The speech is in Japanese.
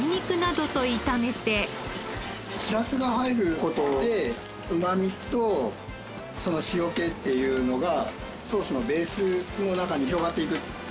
しらすが入る事でうまみとその塩気っていうのがソースのベースの中に広がっていく。